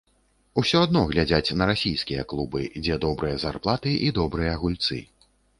Усё адно глядзяць на расійскія клубы, дзе добрыя зарплаты і добрыя гульцы.